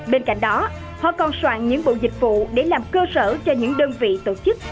bên cạnh đó họ còn soạn những bộ dịch vụ để làm cơ sở cho những đơn vị tổ chức